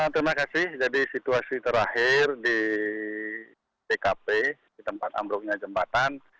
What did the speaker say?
terima kasih jadi situasi terakhir di tkp di tempat ambruknya jembatan